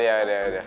ya udah yaudah